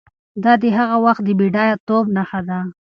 دا د هغه وخت د بډایه توب نښه وه.